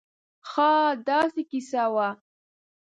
خاا داسې قیصه وه